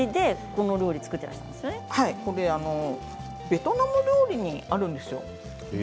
ベトナム料理にあるんですよ。